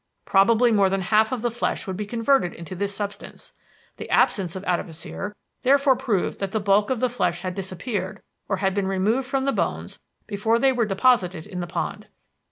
Probably more than half of the flesh would be converted into this substance. The absence of adipocere therefore proved that the bulk of the flesh had disappeared or been removed from the bones before they were deposited in the pond.